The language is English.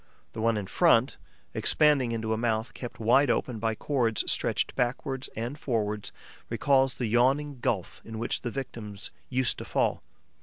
The one in front, expanding into a mouth kept wide open by cords stretched backwards and forwards, recalls the yawning gulf into which the victims used to fall.